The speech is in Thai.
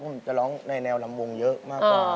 ผมจะร้องในแนวลำวงเยอะมากกว่า